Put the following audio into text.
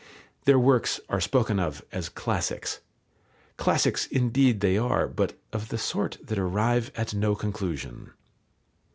Their works are spoken of as "classics." Classics indeed they are, but of the sort that arrive at no conclusion.